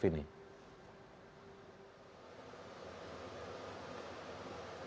misalnya apa yang dilakukan oleh tgpf